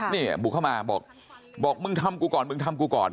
นี่บุกเข้ามาบอกบอกมึงทำกูก่อนมึงทำกูก่อน